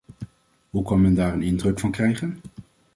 Hoe kan men daar een indruk van krijgen?